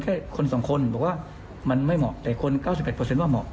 แค่คนสองคนบอกว่ามันไม่เหมาะแต่คนเก้าสิบแปดเปอร์เซ็นต์ว่าเหมาะ